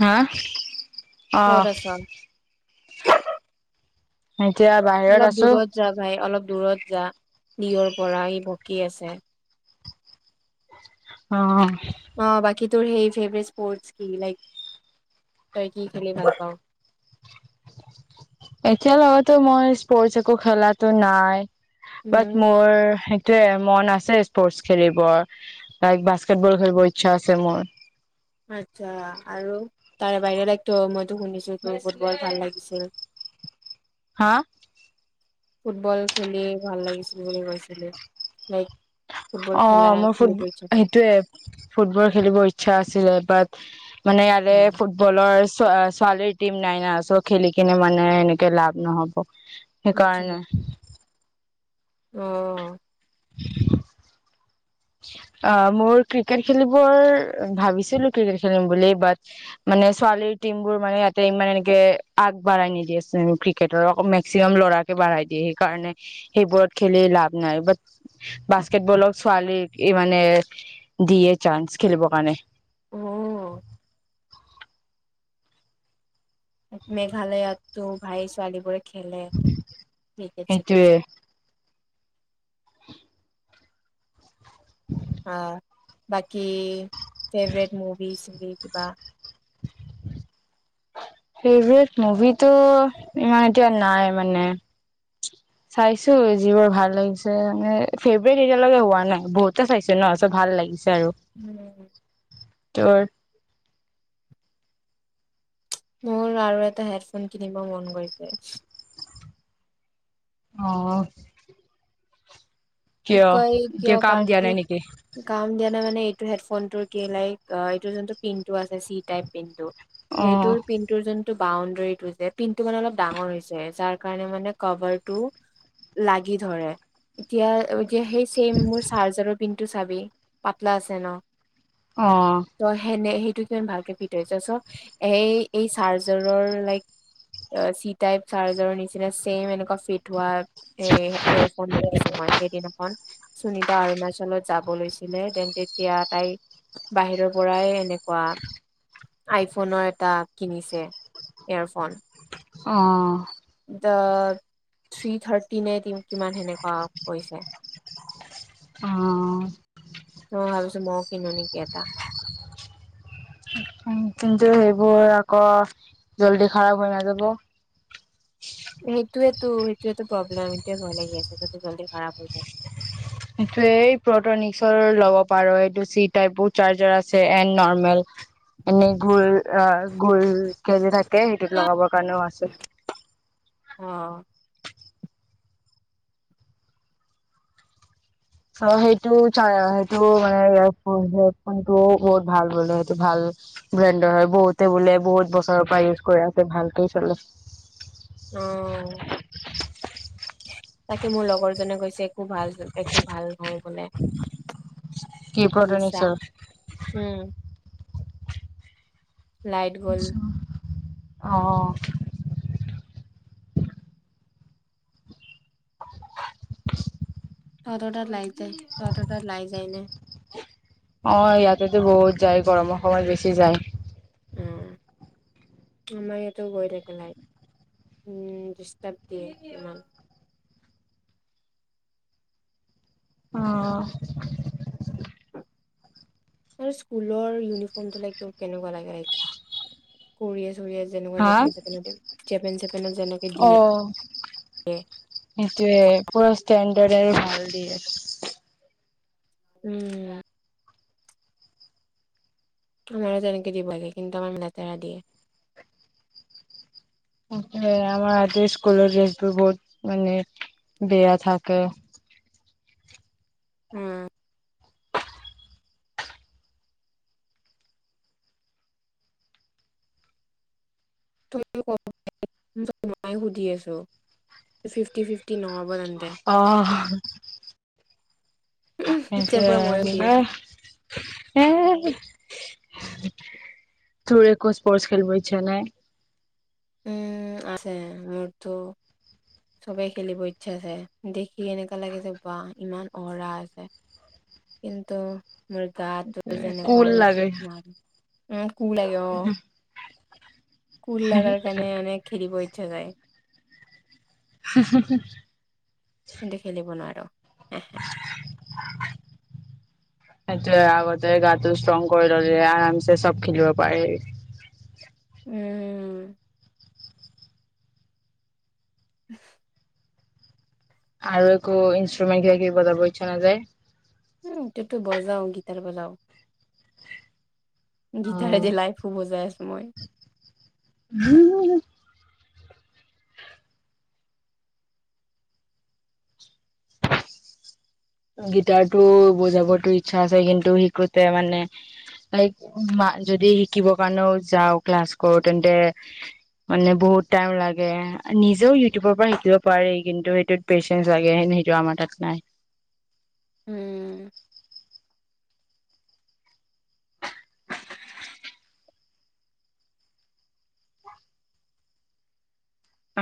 হা অ সত আছা এতিয়া বাহিৰত অলপ আছো দূৰত যা ভাই অলপ দূৰত জ নিয়ৰ পৰাই বকি আছে অ আহ বাকী তোৰ সেই ফেভট স্পৰ্ট কি লাইক তই কি খেলি ভাল পাও এতিয়া লগতেো মই স্পৰ্টছ একো খেলাো নাই বাট উম মোৰ মন আছে স্পৰ্টচ খেলিবৰ লাইক বাস্কেটবল খেলিবৰ ইচ্ছা আছে মোৰ আচ্ছা আৰু তাৰে বাহিৰলৈতো মইতো শুনিছো তোৰ ফুটবল ভাল লাগিছিল হা ফুটবল খেলি ভাল লাগিছিল বুলি কৈছিলো লাইক ফুটবল অ খেলা মোৰ ফুট খেলিব ইচ্ছা আছে। সেইটোয়ে ফুটবল খেলিবৰ ইচ্ছা আছিলে বাট মানে উম, ইয়াৰে ফুটবলৰ আ ছোৱালীৰ টিম নাই ন, সোঁ খেলি কিনে মানে এনেকে লাভ নহব। সেই কাৰণে [inaudible] আঃ অ মোৰ ক্ৰিকেট খেলিবৰ ভাবিছিলো ক্ৰিকেট খেলিম বুলি ব মানে ছোৱালীৰ টিমবোৰ মানে ইয়াতে ইমান এনেকে আগবঢ়াই নিদিয়ে ক্ৰিকেটৰ মেক্সিমাম ল'ৰাৰাকে বাঢ়াই দিয়ে সেইকাৰণে সেইবোৰত খেলি লাভ নাই ব [unintelligible] [unintelligible] বাস্কেট বলক ছোৱালীক এই মানে দিয়ে চান্স, খেলিব কাৰণে উম [unintelligible] মেঘালয়তো ভাই ছোৱালী বোৰে খেলে, ক্ৰিকেট চিকেট সেইটোয়ে চব অ বাকি [unintelligible] ফেৱেৰেট মভিছ বি কিবা ফেভৰেট মুভিত, তেওঁ ইমান এতিয়া, নাই মানে, চাইছো যিবোৰ ভাল লাগিছে মানে ফেভৰেট এতিয়ালৈকে হোৱা নাই, বহুতে চাইছে ন', চব ভাল লাগিছে। আৰু উম, [unintelligible] মোৰ আৰু এটা হেডফোন কিনিব মন গৈছে। অহ', কি কয় কিয় কাম কাৰণ দিয়া কি নাই নেকি? কাম দিয়া নাই মানে, - ইটো হেডফোনটোৰ কি লাইক এইটো যোনটো পিনটো আছে চি -টাইপ পিনটো, অ', সেইটোৰ পিনটোৰ যেন, বাউণ্ডেৰীটো যে পিনটো মানে অলপ ডাঙৰ হৈছে যাৰ কাৰণে মানে কভাৰ টো লাগি ধৰে। এতিয়া, এতিয়া সেই চেম মোৰ চাৰ্জাৰৰ পিনটো, ইটো চাবি পাতলা আছে ন? অ', তই সেনে সেই টো ভালকে ফিট হৈছে চ' এই -এই চাৰ্জাৰৰ লাইক চি -টাইপ চাৰ্জাৰৰ নিচিনা চেম এনেকুৱা ফিট হোৱা এ- এয়ৰ ফোন দেখিছো মই। সেইদিনাখন সুনিতা অৰুণাচলত যাব লৈছিলে দেন তেতিয়া তাই বাহিৰৰ পৰাই এনেকুৱা আইফোনৰ এটা কিনিছে ইয়ৰফোন, অহ তাত থ্ৰী- থাৰ্টি নে কিমান তেনেকুৱা পৰিছে। অহ ', মই ভাবিছোঁ মইয়ো কিনো নেকি এটা। কিন্তু সেইবোৰ আকৌ জল্দি খাৰাপ হৈ নাযাব? সেইটোয়েটো -সেইটোয়েটো প্ৰব্লেম এইটোয়ে ভয় লাগি আছে যদি- জল্দি খাৰাপ হৈ যায়। সেইটোৱে এই প্ৰতনিষ্কৰ ল'ব পাৰ, এইটো চি- টাইপো চাৰ্জাৰ আছে এণ্ড নৰ্মেল এনে ঘুৰ, এ ঘোৰ, তাকেই সিটোত লগাবৰ কাৰণেও আছে। অহ ', অ ', সেইটো চাৰ সেইটো মানে হেডফোনটো বহুত ভাল বোলে। সেইটো, ভাল ব্ৰেণ্ডৰ হয় বহুতে বোলে, বহুত বছৰৰ পৰা ইউজ কৰি আছে ভালকেই চলে। অঃ [inaudible] লগৰজনে কৈছে একো ভাল, একো ভাল নহয় বোলে। কি মিছা প্ৰটনিক্সৰ উম', লাইট গ'ল। অহ ', তহঁতৰ তাত লাইট যায়? তহঁতৰ তাত লাইট যায় নে? অ', ইয়াতেতো বহুত। যায় গৰমৰ সময়ত বেছি যায়। অ', আমাৰ ইয়া মটো গৈ থাকে লাইট। উম্ ডিষ্টাৰ্ব দিয়ে ইমান। অহ, আৰু স্কুলৰ ইউনিফৰ্মটো লাইক তোৰ কেনেকুৱা লাগে কৰি আছ, টোৱে যেনেকুৱা হা জেপেন- চেপেন, জেপেন -চেপেনত যেনেকে অ দিয়ে, দিয়ে। সেইটোয়ে পোৰা ইষ্টেণ্ডাৰ আৰু ভাল দিয়ে। উম আমাৰো তেনেকে দিব লাগে কিন্তু আমাৰ লেতেৰা দিয়ে আমাৰ আজি স্কুলৰ ড্ৰেছবোৰ বহুত মানে বেয়া থাকে উম সুধি আছো ফিফটি ফিফটি নহ'ব তেন্তে। অহ সেইটোৱে এতিয়াৰ পৰা সেই মইয়ে কি সুধি আছো কয় উমহ তোৰ একো স্পৰ্টছ খেলিব ইচ্ছা নাই উম আছে মোৰতো চবেই খেলিব ইচ্ছা আছে দেখি এনেকা লাগি যে বা ইমান অৰা আছে কিন্তু মোৰ গা টো যেনেকুৱা কুল উইক লাগে উম কু লাগে অ কোল লগাৰ কাৰণে মানে খেলিব ইচ্ছা জেগায় হোম হোম হোম কিন্তু খেলিব নোৱাৰো এহে সেইটোয়ে আগতে গাটো ষ্ট্ৰং কৰি ললে আৰামছে সব খেলিব পাৰে উম [inaudible] আৰু একো ইনষ্ট্ৰুমেণ্ট কিবা কিবি বজাব ইচ্ছা নাযায় উম তেতো বজাও গীতাৰ বজাও গীতাৰে যে লাই ফবজাই আ সময় হোমহ গিটাৰটো বুজাবতো ইচ্ছা আছে কিন্তু শিকোতে মানে লাইক যদি শিকিবৰ কাৰণেও যাওঁ ক্লাছ কৰোঁ তেন্তে মানে বহুত টাইম লাগে নিজেও ইউটিউবৰ পৰা শিকিব পাৰি কিন্তু সেইটোত পেচেঞ্চ লাগে সেইটো আমাৰ তাত নাই উম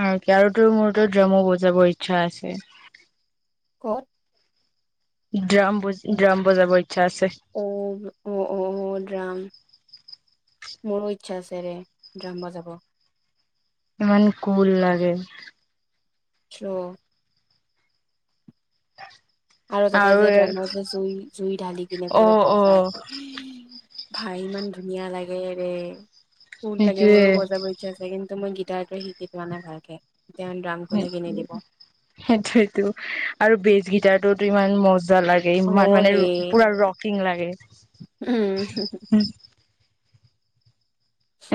আৰু কি আৰু তোৰ মোৰ ত ড্ৰামো বজাব ইচ্ছা আছে বুত ড্ৰাম বজ ড্ৰাম বজাব ইচ্ছা আছে অ অ অ ড্ৰাম মোৰো ইচ্ছা আছে ৰে ড্ৰাম বযাব ইমান কোল লাগে ছ অ আৰু তাতে যে ড্ৰমৰ যে জুই জুই ঢালি কিনে অ পোৰা অ বযায় ভাই ইমান ধুনীয়া লাগে ৰে কোল লাগে সেইটোৱে মোৰো বজাব ইচ্ছা আছে কিন্তু ত মই গিটাৰটো শিকি থোৱা নাই ভালকে এতিয়া ড্ৰাম কোনে কিনি দিব সেইটোতো আৰু বেচ গিটাৰ তো ইমান ম জা লাগে অ ইমান মানে ৰে পুৰা ৰকিং লাগে উম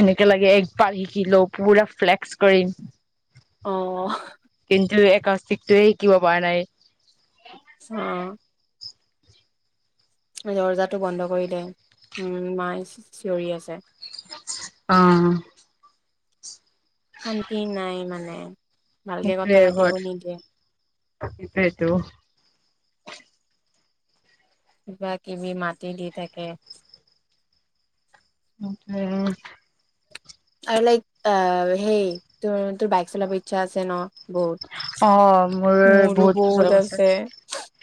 এনেকে লাগে একবাৰ শিকিলো পুৰা ফ্লেক্স কৰিম অ কাস্তিকটোয়ে শিকিব পৰা নাই অ দৰ্জাটো বন্ধ কৰিলে উম মায় চিঞৰি আছে অ শান্তি নাই মানে ভালকে কথা সেইটোৱে পাতিব নিদিয়ে ঘৰত সেইটোৱে টো কিবা কিবি মাতি দি থাকে সেইটোৱে আৰু লাইক অহ হেই তো তোৰ বাইক চলাব ইচ্ছা আছে ন বহুত অ মোৰ মোৰো বছৰ বহুত আগৰ কথা আছে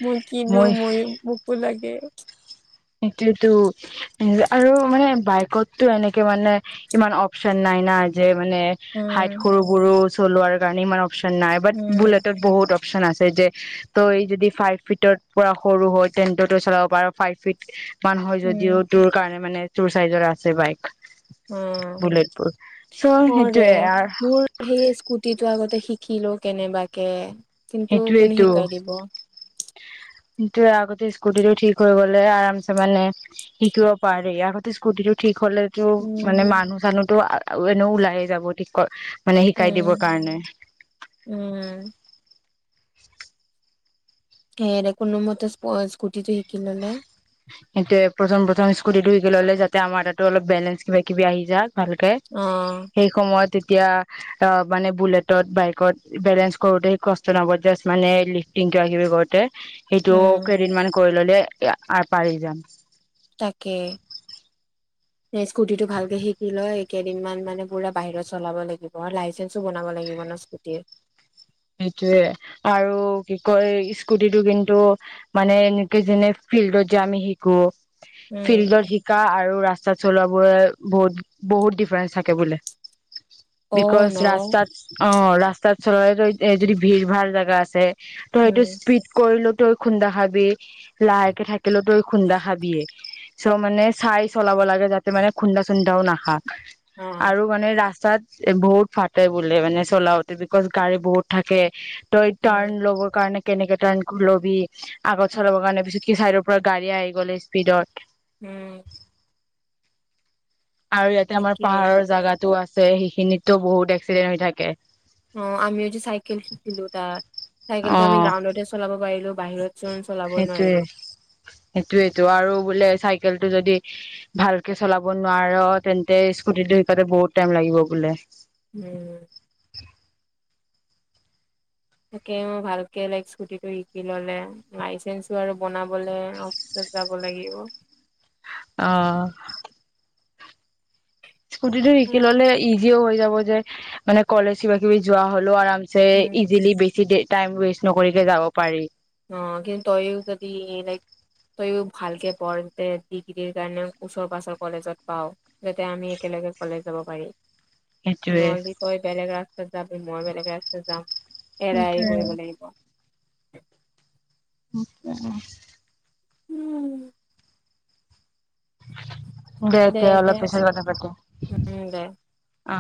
মই মোৰ কিনো মই মোকো লাগি এ সেটোৱেতো আৰু মানে বাইকতটো এনেকে মানে ইমান অপচন নাই না যে মানে হাইত উম সৰু বোৰো চলোৱাৰ কাৰণে ইমান অপ শন নাই বাত উম বুলেতত বহুত অপ অপশন আছে যে তই যদি ফাইভ ফিটৰ পৰা সৰু হয় তেন্তে তই চলাব পাৰ ফাইভ ফিট ইত সমান হয় যদিও উম তোৰ কাৰণে মানে তোৰ চাইজৰ আছে বাইক উম বুলেটবোৰ চ' অ অৰে সেইটোয়ে আৰ মোৰ সেই স্কুটিটো আগতে শি কিলো কেনেবাকে কিন্তু কোনে সেইটোয়েতো শিকাই দিব কিন্তু আগতে স্কুটি টো ঠিক হৈ গ'লে আৰাম চে মানে শিকিব পাৰি আগতে স্কুটি টো ঠিক হলেতো মানে উম মানুহ চানুহতো আ আৰু এনেও ওলাইয়ে যাব ঠিক কৰ মানে শিকাই দিবৰ উম কাৰণে উম সেইয়ে দে কোনোমতে স্কুটিটো শিকি ললে সেইটোৱেপ্ৰথম প্ৰথম স্কুটি টোলে যাতে আমাৰ তাতো অলপ বেলেঞ্চ কিবা কিবি আহি যাক ভালকে অ সেই সময়ত এতিয়া অ মানে বুলেটত বাইকত বেলেঞ্চ কৰোতে স কষ্ট নাপ মানে লিফ্টিং কিবা কিবি কৰোতে সেইটোও উম কেইদিনমান কৰি ল'লে আৰ্ট পাৰি যাম তাকে স্কুটিটো ভালকে শিকি লয় কেইদিনমান মানে পুৰা বাহিৰত চলাব লাগিব লাইচেঞ্চো বনাব লাগিব ন স্কুটিৰ সেইটোয়ে আৰু কি কয় স্কুটিটো কিন্তু মানে এনেকে যেনে ফিল্ডত যে‌ আমি শিকো উম ফিল্ডত শিকা আৰু ৰাস্তা [unintelligible] চলোৱা বোৰে বহুত বহুত ডিফাৰেন্ঞ্চ থাকে বোলে। অ বিকজ ন ৰাস্তাত অ ৰাস্তাত [unintelligible] এ যদি ভিৰ ভাৰ জাগা আছে তই সেইটো উম স্পীড কৰিলো তই খুন্দা খাবি লাহেকে থাকিলেও তই খুন্দা খাবিয়ে চ' মানে চাই চলাব লাগে যাতে মানে খুন্দা চুন্দাও নাখাও অ আৰু মানে ৰা [unintelligible] বহুত ফাটে বোলে মানে চলাওতে বিকজ গাড়ী বহুত থাকে ত এটো আ উম ল কাৰণে কেনেকে তন লবি আগত উম চলাব কাৰণে বেছি কি চাইডৰ পৰা গাড়ী আহি গলে' স্পীডত উম আৰু ইয়াতে আমাৰ তাকে পাহাৰৰ জাগাতো আছে সেইখিনিতো বহুত এক্সিডেণ্ট হৈ থাকে অ আমি যে চাইকেল শিকিছিলো তাত অ চাইকেলটো আমি গ্ৰাউণ্ডতে চলাব পাৰিলো বাহিৰতচোন চলাব সেইটোয়ে নোৱাৰিলো সেইটোয়েটো আৰু বোলে চাইকেলটো যদি ভালকে চলাব নোৱাৰ তেন্তে স্কুটিটো শিকাতে বহুত টাইম লাগিব বোলে উম তাকে মই ভালকে লাইক স্কুটিটো শিকি ললে লাইচেঞ্চো আৰু বনাবলৈ অফিচত যাব লাগিব অ স্কুটি টো শিকি উম, ল'লে ই [unintelligible] হৈ যাব যে মানে কলেজ কিবা কিবি যোৱা হ'লেও আৰাম উম, ইজিলি বেছি দে টাইম ৱেষ্ট নকৰিকে যাব পাৰি অ কিন্তু তইয়ো যদি লাইক তয়ো ভালকে পঢ় ডিগ্ৰীৰ কাৰণে ওচৰ পাজৰ কলেজত পাওঁ যাতে আমি একেলগে কলেজ যাব পাৰি সেইটোৱে। নলদীপ হয় বেলেগ ৰা অ যাবি মই বেলেগে ৰাস্তা যাম এৰা এৰি সেইটোৱে সেইটোৱে। কৰিব লাগিব অ উম দে দে অলপ পিছত কথা পাতিম উম, দে। অ